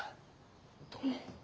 どうも。